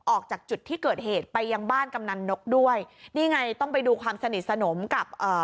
ออกจากจุดที่เกิดเหตุไปยังบ้านกำนันนกด้วยนี่ไงต้องไปดูความสนิทสนมกับเอ่อ